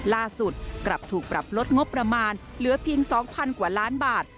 ล่าสุดกลับถูกปรับลดงบประมาณเหลือเพียง๒๐๐กว่าล้านบาท